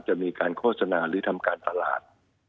จะมีการโฆษณาหรือทำการตลาด